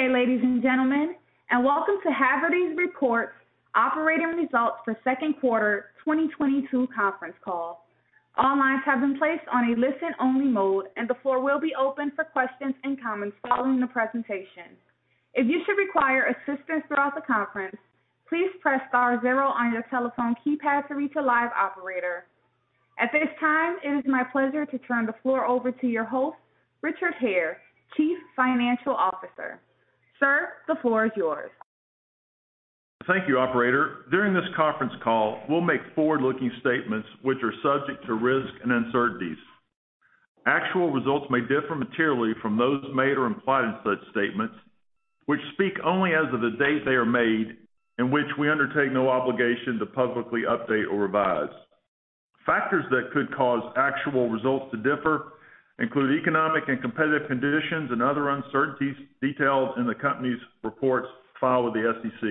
Good day, ladies and gentlemen, and welcome to Haverty's report operating results for second quarter 2022 conference call. All lines have been placed on a listen-only mode, and the floor will be open for questions and comments following the presentation. If you should require assistance throughout the conference, please press star zero on your telephone keypad to reach a live operator. At this time, it is my pleasure to turn the floor over to your host, Richard Hare, Chief Financial Officer. Sir, the floor is yours. Thank you, operator. During this conference call, we'll make forward-looking statements which are subject to risks and uncertainties. Actual results may differ materially from those made or implied in such statements, which speak only as of the date they are made, and which we undertake no obligation to publicly update or revise. Factors that could cause actual results to differ include economic and competitive conditions and other uncertainties detailed in the company's reports filed with the SEC.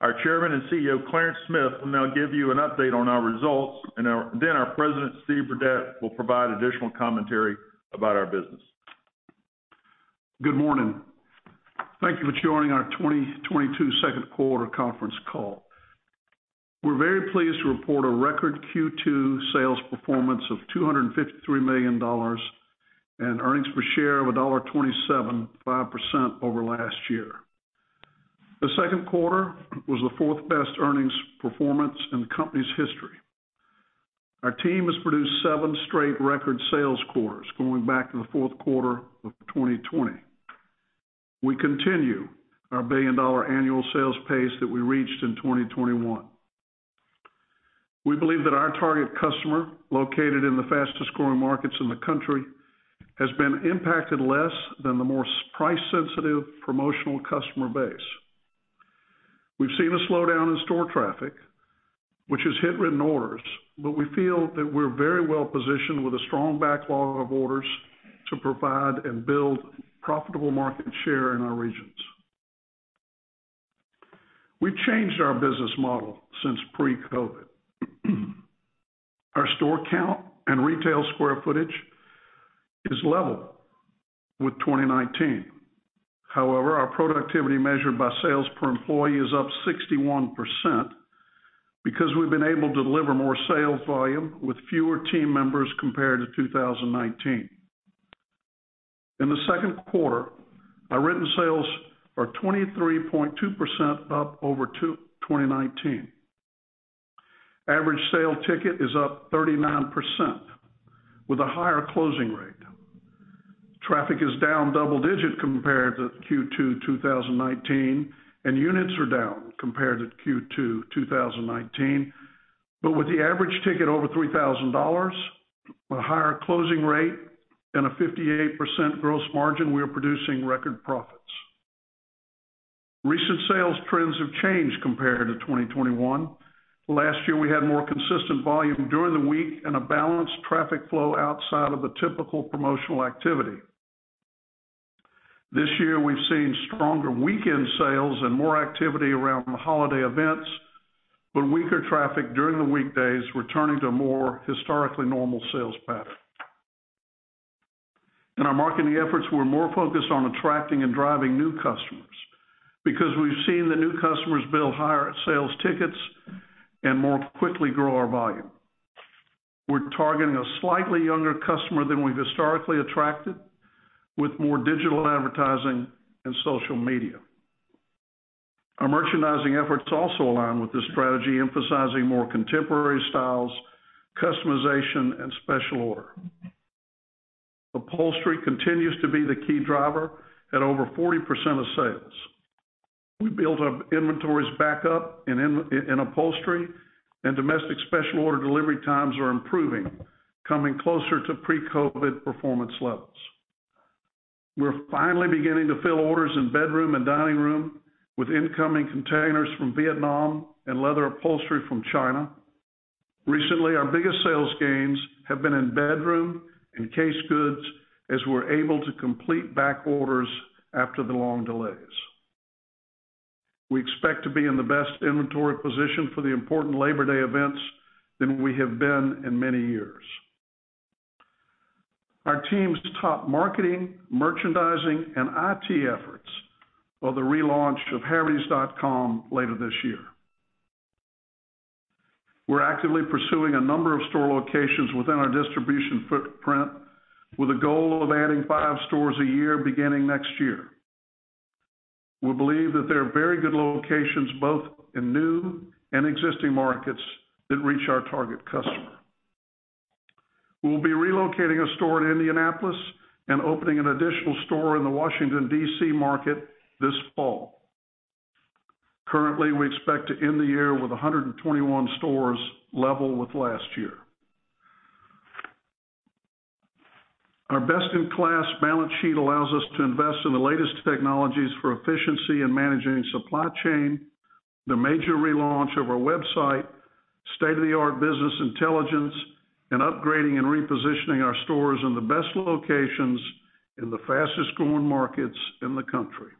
Our Chairman and CEO, Clarence Smith, will now give you an update on our results and then our President, Steve Burdette, will provide additional commentary about our business. Good morning. Thank you for joining our 2022 second quarter conference call. We're very pleased to report a record Q2 sales performance of $253 million and earnings per share of $1.27, 5% over last year. The second quarter was the fourth best earnings performance in the company's history. Our team has produced seven straight record sales quarters going back to the fourth quarter of 2020. We continue our billion-dollar annual sales pace that we reached in 2021. We believe that our target customer, located in the fastest-growing markets in the country, has been impacted less than the more price-sensitive promotional customer base. We've seen a slowdown in store traffic, which has hit written orders, but we feel that we're very well-positioned with a strong backlog of orders to provide and build profitable market share in our regions. We've changed our business model since pre-COVID. Our store count and retail square footage is level with 2019. However, our productivity measured by sales per employee is up 61% because we've been able to deliver more sales volume with fewer team members compared to 2019. In the second quarter, our written sales are 23.2% up over 2019. Average sale ticket is up 39% with a higher closing rate. Traffic is down double digit compared to Q2 2019, and units are down compared to Q2 2019. With the average ticket over $3,000, a higher closing rate, and a 58% gross margin, we are producing record profits. Recent sales trends have changed compared to 2021. Last year, we had more consistent volume during the week and a balanced traffic flow outside of the typical promotional activity. This year, we've seen stronger weekend sales and more activity around the holiday events, but weaker traffic during the weekdays returning to a more historically normal sales pattern. In our marketing efforts, we're more focused on attracting and driving new customers because we've seen the new customers build higher sales tickets and more quickly grow our volume. We're targeting a slightly younger customer than we've historically attracted with more digital advertising and social media. Our merchandising efforts also align with this strategy, emphasizing more contemporary styles, customization, and special order. Upholstery continues to be the key driver at over 40% of sales. We built up inventories back up in upholstery and domestic special order delivery times are improving, coming closer to pre-COVID performance levels. We're finally beginning to fill orders in bedroom and dining room with incoming containers from Vietnam and leather upholstery from China. Recently, our biggest sales gains have been in bedroom and case goods as we're able to complete back orders after the long delays. We expect to be in the best inventory position for the important Labor Day events than we have been in many years. Our team's top marketing, merchandising, and IT efforts are the relaunch of havertys.com later this year. We're actively pursuing a number of store locations within our distribution footprint with a goal of adding five stores a year beginning next year. We believe that there are very good locations both in new and existing markets that reach our target customer. We'll be relocating a store in Indianapolis and opening an additional store in the Washington, D.C. market this fall. Currently, we expect to end the year with 121 stores level with last year. Our best-in-class balance sheet allows us to invest in the latest technologies for efficiency in managing supply chain, the major relaunch of our website, state-of-the-art business intelligence, and upgrading and repositioning our stores in the best locations in the fastest growing markets in the country.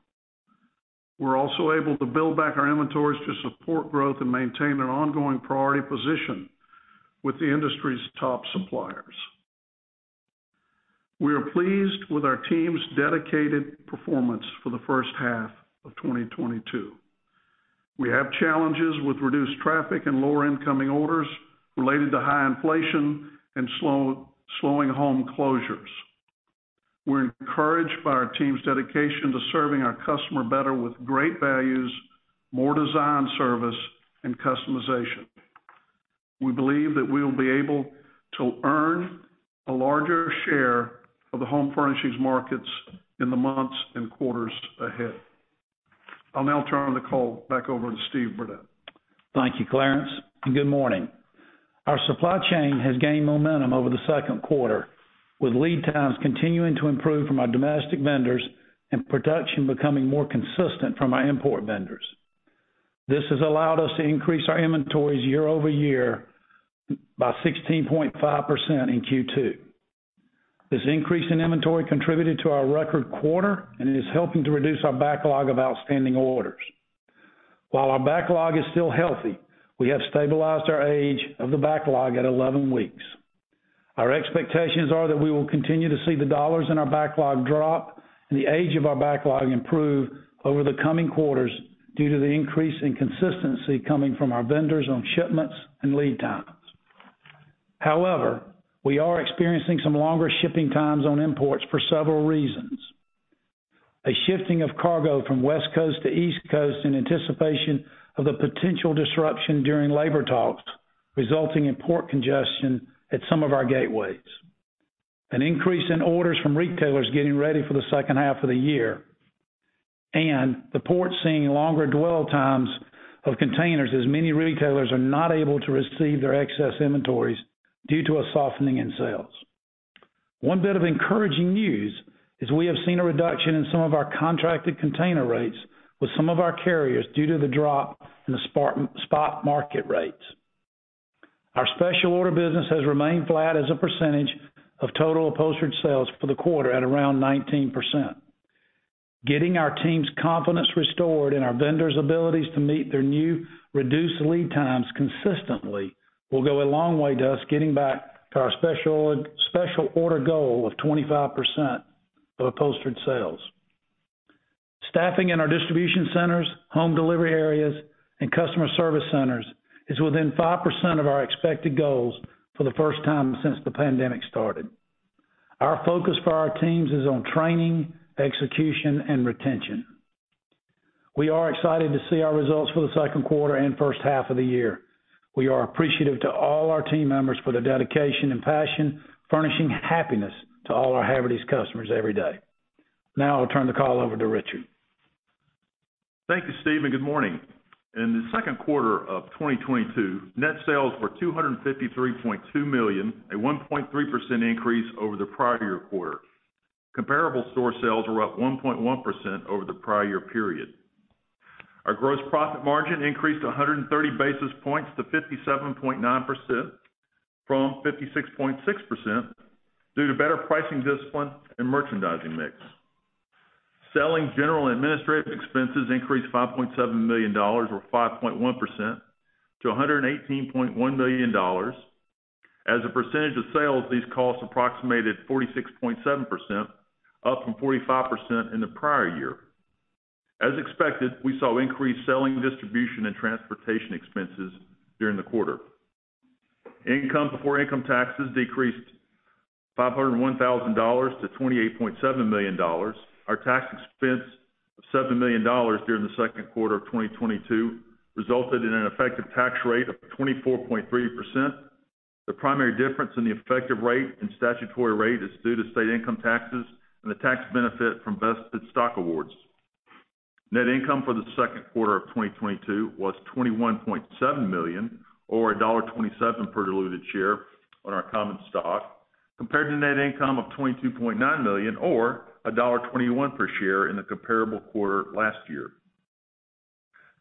We're also able to build back our inventories to support growth and maintain an ongoing priority position with the industry's top suppliers. We are pleased with our team's dedicated performance for the first half of 2022. We have challenges with reduced traffic and lower incoming orders related to high inflation and slow, slowing home closures. We're encouraged by our team's dedication to serving our customer better with great values, more design service, and customization. We believe that we will be able to earn a larger share of the home furnishings markets in the months and quarters ahead. I'll now turn the call back over to Steve Burdette. Thank you, Clarence, and good morning. Our supply chain has gained momentum over the second quarter, with lead times continuing to improve from our domestic vendors and production becoming more consistent from our import vendors. This has allowed us to increase our inventories year-over-year by 16.5% in Q2. This increase in inventory contributed to our record quarter and is helping to reduce our backlog of outstanding orders. While our backlog is still healthy, we have stabilized our age of the backlog at 11 weeks. Our expectations are that we will continue to see the dollars in our backlog drop and the age of our backlog improve over the coming quarters due to the increase in consistency coming from our vendors on shipments and lead times. However, we are experiencing some longer shipping times on imports for several reasons, a shifting of cargo from West Coast to East Coast in anticipation of the potential disruption during labor talks, resulting in port congestion at some of our gateways, an increase in orders from retailers getting ready for the second half of the year, and the ports seeing longer dwell times of containers as many retailers are not able to receive their excess inventories due to a softening in sales. One bit of encouraging news is we have seen a reduction in some of our contracted container rates with some of our carriers due to the drop in the spot market rates. Our special order business has remained flat as a percentage of total upholstered sales for the quarter at around 19%. Getting our team's confidence restored in our vendors' abilities to meet their new reduced lead times consistently will go a long way to us getting back to our special order goal of 25% of upholstered sales. Staffing in our distribution centers, home delivery areas, and customer service centers is within 5% of our expected goals for the first time since the pandemic started. Our focus for our teams is on training, execution, and retention. We are excited to see our results for the second quarter and first half of the year. We are appreciative to all our team members for their dedication and passion, furnishing happiness to all our Haverty's customers every day. Now I'll turn the call over to Richard. Thank you, Steve, and good morning. In the second quarter of 2022, net sales were $253.2 million, a 1.3% increase over the prior year quarter. Comparable store sales were up 1.1% over the prior year period. Our gross profit margin increased 130 basis points to 57.9% from 56.6% due to better pricing discipline and merchandising mix. Selling, general, and administrative expenses increased $5.7 million or 5.1% to $118.1 million. As a percentage of sales, these costs approximated 46.7%, up from 45% in the prior year. As expected, we saw increased selling, distribution, and transportation expenses during the quarter. Income before income taxes decreased $501,000-$28.7 million. Our tax expense of $7 million during the second quarter of 2022 resulted in an effective tax rate of 24.3%. The primary difference in the effective rate and statutory rate is due to state income taxes and the tax benefit from vested stock awards. Net income for the second quarter of 2022 was $21.7 million or $1.27 per diluted share on our common stock, compared to net income of $22.9 million or $1.21 per share in the comparable quarter last year.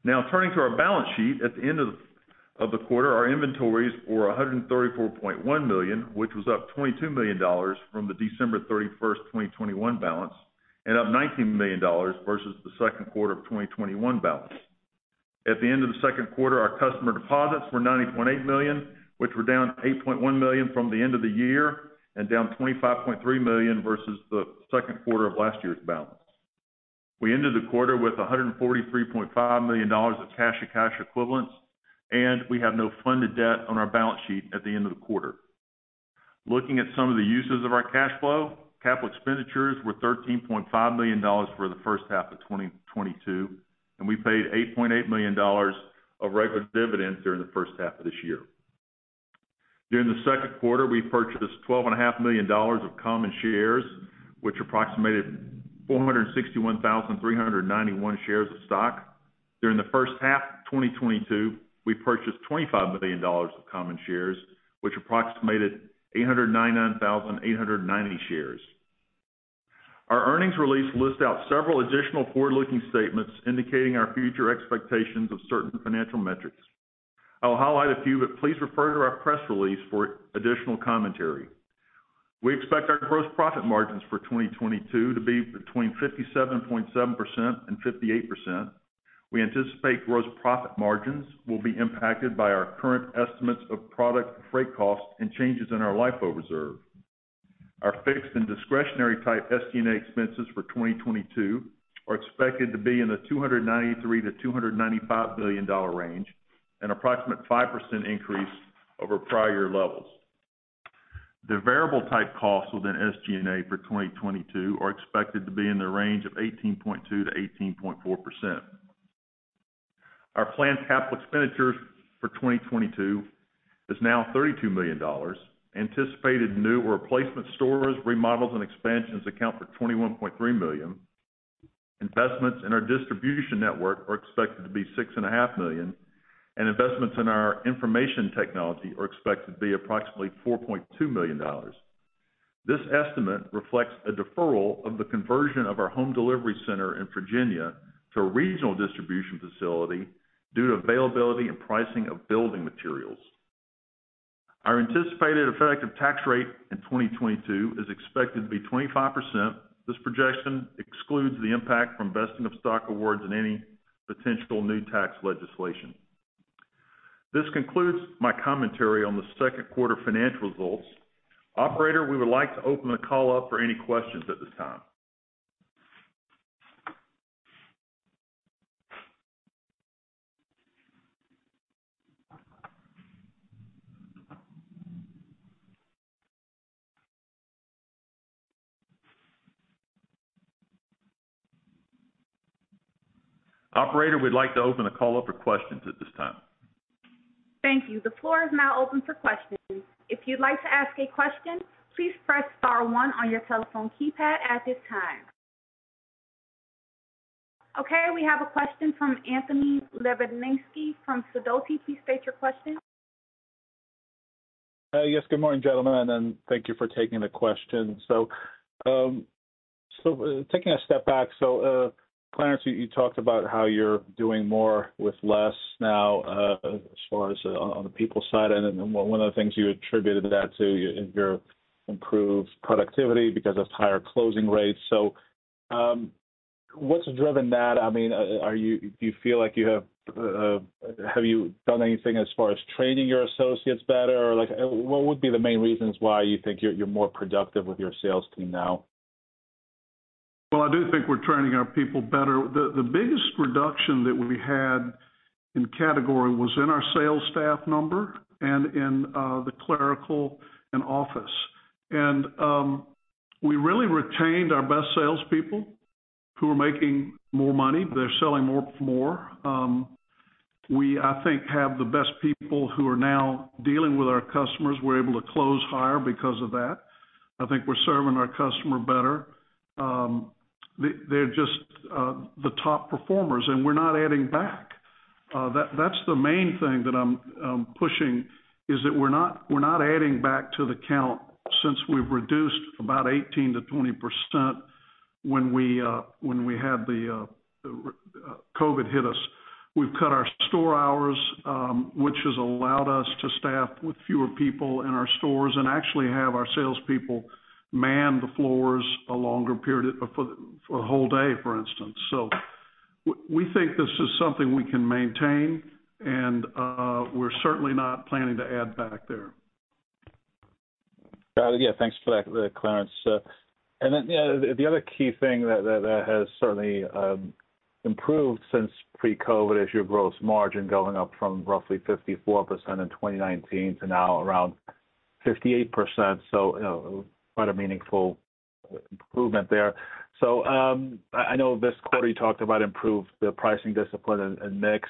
Now, turning to our balance sheet. At the end of the quarter, our inventories were $134.1 million, which was up $22 million from the December 31st, 2021 balance and up $19 million versus the second quarter of 2021 balance. At the end of the second quarter, our customer deposits were $90.8 million, which were down $8.1 million from the end of the year and down $25.3 million versus the second quarter of last year's balance. We ended the quarter with $143.5 million of cash and cash equivalents, and we have no funded debt on our balance sheet at the end of the quarter. Looking at some of the uses of our cash flow, capital expenditures were $13.5 million for the first half of 2022, and we paid $8.8 million of regular dividends during the first half of this year. During the second quarter, we purchased $12.5 million of common shares, which approximated 461,391 shares of stock. During the first half of 2022, we purchased $25 million of common shares, which approximated 899,890 shares. Our earnings release lists out several additional forward-looking statements indicating our future expectations of certain financial metrics. I will highlight a few, but please refer to our press release for additional commentary. We expect our gross profit margins for 2022 to be between 57.7% and 58%. We anticipate gross profit margins will be impacted by our current estimates of product freight costs and changes in our LIFO reserve. Our fixed and discretionary type SG&A expenses for 2022 are expected to be in the $293 million-$295 million range, an approximate 5% increase over prior levels. The variable type costs within SG&A for 2022 are expected to be in the range of 18.2%-18.4%. Our planned capital expenditures for 2022 is now $32 million. Anticipated new replacement stores, remodels, and expansions account for $21.3 million. Investments in our distribution network are expected to be $6.5 million, and investments in our information technology are expected to be approximately $4.2 million. This estimate reflects a deferral of the conversion of our home delivery center in Virginia to a regional distribution facility due to availability and pricing of building materials. Our anticipated effective tax rate in 2022 is expected to be 25%. This projection excludes the impact from vesting of stock awards and any potential new tax legislation. This concludes my commentary on the second quarter financial results. Operator, we'd like to open the call up for questions at this time. Thank you. The floor is now open for questions. If you'd like to ask a question, please press star one on your telephone keypad at this time. Okay, we have a question from Anthony Lebiedzinski from Sidoti. Please state your question. Yes. Good morning, gentlemen, and thank you for taking the question. Taking a step back, Clarence, you talked about how you're doing more with less now, as far as on the people side. One of the things you attributed that to your improved productivity because of higher closing rates. What's driven that? I mean, have you done anything as far as training your associates better? Like what would be the main reasons why you think you're more productive with your sales team now? Well, I do think we're training our people better. The biggest reduction that we had in category was in our sales staff number and in the clerical and office. We really retained our best salespeople who are making more money. They're selling more. We, I think, have the best people who are now dealing with our customers. We're able to close higher because of that. I think we're serving our customer better. They're just the top performers, and we're not adding back. That's the main thing that I'm pushing, is that we're not adding back to the count since we've reduced about 18%-20% when we had the COVID hit us. We've cut our store hours, which has allowed us to staff with fewer people in our stores and actually have our salespeople man the floors a longer period for a whole day, for instance. We think this is something we can maintain, and we're certainly not planning to add back there. Got it. Yeah, thanks for that, Clarence. Then, yeah, the other key thing that has certainly improved since pre-COVID is your gross margin going up from roughly 54% in 2019 to now around 58%. You know, quite a meaningful improvement there. I know this quarter you talked about improved pricing discipline and mix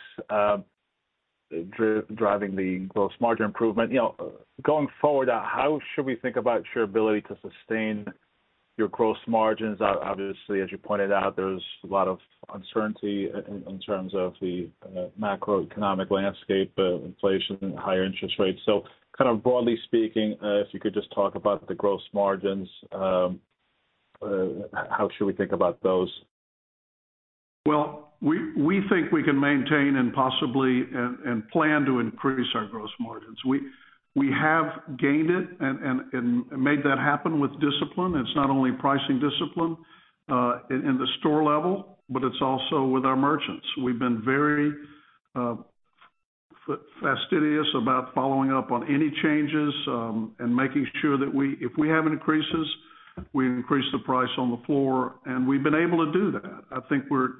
driving the gross margin improvement. You know, going forward, how should we think about your ability to sustain your gross margins? Obviously, as you pointed out, there's a lot of uncertainty in terms of the macroeconomic landscape, inflation, higher interest rates. Kind of broadly speaking, if you could just talk about the gross margins, how should we think about those? Well, we think we can maintain and possibly plan to increase our gross margins. We have gained it and made that happen with discipline. It's not only pricing discipline in the store level, but it's also with our merchants. We've been very fastidious about following up on any changes and making sure that if we have increases, we increase the price on the floor, and we've been able to do that. I think we're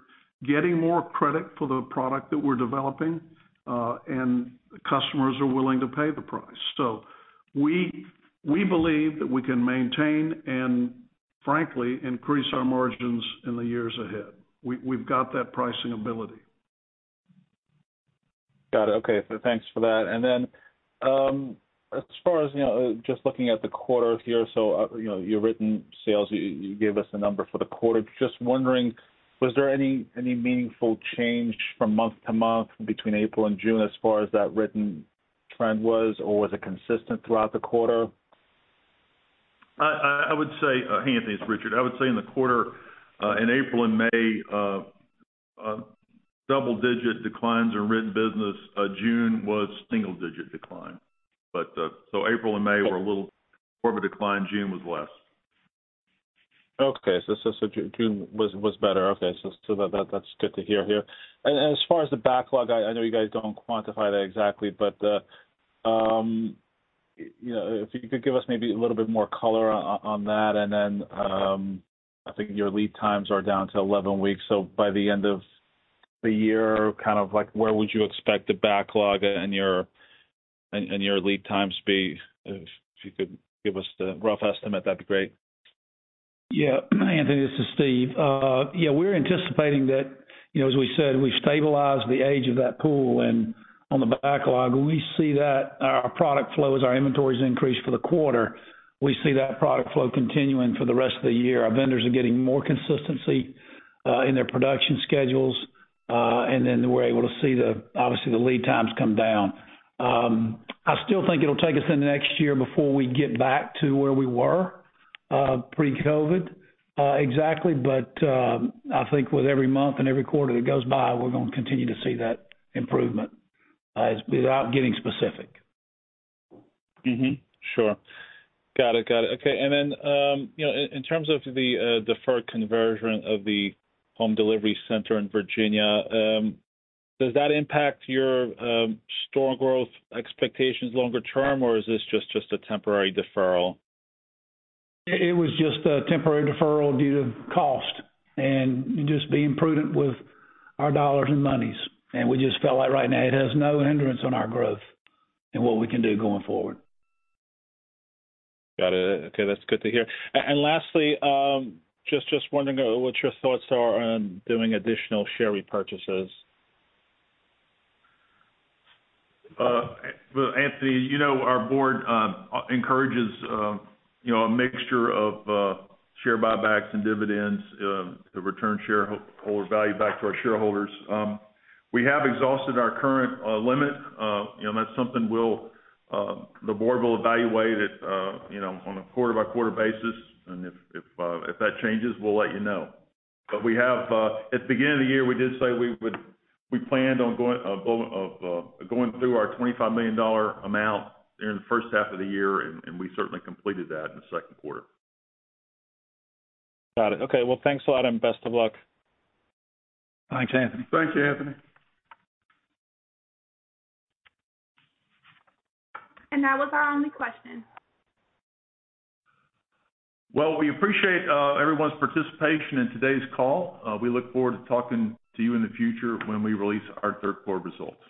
getting more credit for the product that we're developing and customers are willing to pay the price. We believe that we can maintain and frankly increase our margins in the years ahead. We've got that pricing ability. Got it. Okay, thanks for that. Then, as far as, you know, just looking at the quarter here, your written sales, you gave us a number for the quarter. Just wondering, was there any meaningful change from month to month between April and June as far as that written trend was, or was it consistent throughout the quarter? Hey, Anthony, it's Richard. I would say in the quarter, in April and May, double-digit declines in written business. June was single-digit decline. April and May were a little more of a decline, June was less. Okay. June was better. Okay. That that's good to hear here. As far as the backlog, I know you guys don't quantify that exactly, but you know, if you could give us maybe a little bit more color on that. Then I think your lead times are down to 11 weeks, so by the end of the year, kind of like where would you expect the backlog and your lead times to be? If you could give us the rough estimate, that'd be great. Yeah. Anthony, this is Steve. Yeah, we're anticipating that, you know, as we said, we've stabilized the age of that pool and on the backlog. We see that our product flow as our inventories increase for the quarter. We see that product flow continuing for the rest of the year. Our vendors are getting more consistency in their production schedules. Then we're able to see the, obviously, the lead times come down. I still think it'll take us into next year before we get back to where we were pre-COVID exactly. I think with every month and every quarter that goes by, we're gonna continue to see that improvement without getting specific. Mm-hmm. Sure. Got it. Okay. Then, you know, in terms of the deferred conversion of the home delivery center in Virginia, does that impact your store growth expectations longer-term, or is this just a temporary deferral? It was just a temporary deferral due to cost and just being prudent with our dollars and monies. We just felt like right now it has no hindrance on our growth and what we can do going forward. Got it. Okay, that's good to hear. Lastly, just wondering what your thoughts are on doing additional share repurchases. Well, Anthony, you know, our board encourages, you know, a mixture of share buybacks and dividends to return shareholder value back to our shareholders. We have exhausted our current limit. You know, that's something we'll, the board will evaluate it, you know, on a quarter-by-quarter basis. If that changes, we'll let you know. We have, at the beginning of the year, we did say we planned on going through our $25 million amount during the first half of the year, and we certainly completed that in the second quarter. Got it. Okay, well, thanks a lot, and best of luck. Thanks, Anthony. Thanks, Anthony. That was our only question. Well, we appreciate everyone's participation in today's call. We look forward to talking to you in the future when we release our third quarter results.